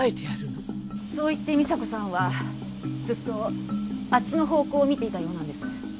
そう言って美沙子さんはずっとあっちの方向を見ていたようなんです。